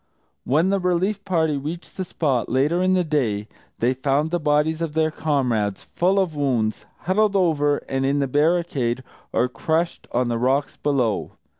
When the relief party reached the spot, later in the day, they found the bodies of their comrades, full of wounds, huddled over and in the barricade, or crushed on the rocks below.